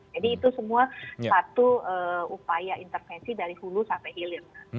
jadi itu semua satu upaya intervensi dari hulu sampai hilir